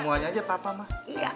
semuanya aja papa mah